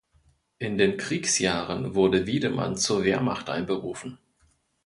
In den Kriegsjahren wurde Wiedemann zur Wehrmacht einberufen.